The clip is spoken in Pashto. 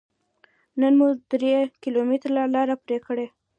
نن مو درې کيلوميټره لاره پرې کړه.